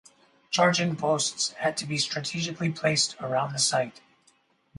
Charging posts had to be strategically placed around the site.